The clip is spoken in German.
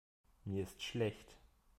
Mir ist schlecht.